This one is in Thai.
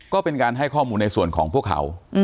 ก็เป็นการให้ข้อมูลในส่วนของพวกเขา